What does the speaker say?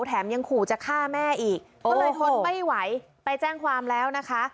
แถมยังขู่จะฆ่าแม่อีกก็เลยทนไม่ไหวไปแจ้งความแล้วนะคะ